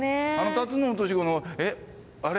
タツノオトシゴのえっあれ雄が。